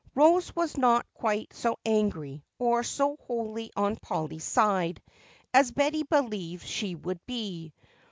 Rose was not quite so angry, or so wholly on Polly's side, as Betty believed she should be.